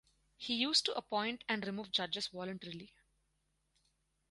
He used to appoint and remove judges voluntarily.